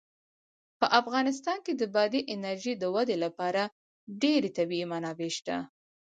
په افغانستان کې د بادي انرژي د ودې لپاره ډېرې طبیعي منابع شته دي.